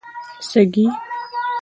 سږی